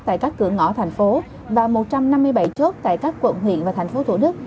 tại các cửa ngõ thành phố và một trăm năm mươi bảy chốt tại các quận huyện và thành phố thủ đức